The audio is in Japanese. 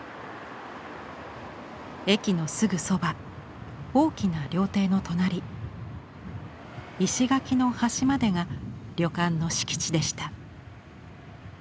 駅のすぐそば大きな料亭の隣石垣の端までが旅館の敷地でした。